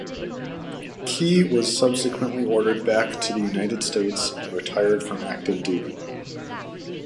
Key was subsequently ordered back to the United States and retired from active duty.